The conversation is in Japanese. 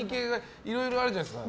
いろいろあるじゃないですか。